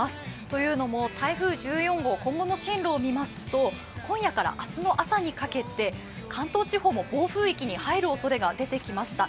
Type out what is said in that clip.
というのも台風１４号、今後の進路を見ますと今夜から明日の朝にかけて関東地方も暴風域に入るおそれも出てきました。